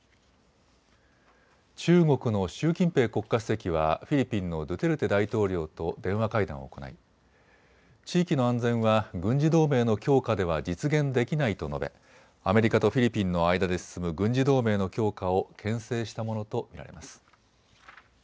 中国の習近平国家主席はフィリピンのドゥテルテ大統領と電話会談を行い地域の安全は軍事同盟の強化では実現できないと述べアメリカとフィリピンの間で進む軍事同盟の強化をけん制したものと見られます。